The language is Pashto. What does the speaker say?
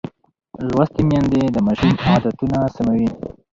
لوستې میندې د ماشوم عادتونه سموي.